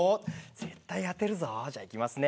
絶対、当てるぞじゃあいきますね。